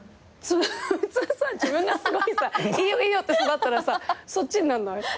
普通さ自分がすごいいいよいいよって育ったらさそっちになんない？